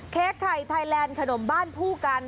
เค้กไข่ไทยแลนด์ขนมบ้านผู้กัน